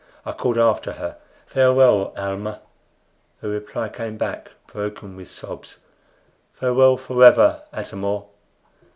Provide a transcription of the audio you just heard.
I called after her, "Farewell, Almah!" Her reply came back broken with sobs. "Farewell forever, Atam or!"